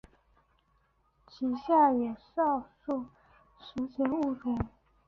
其下有少数史前物种。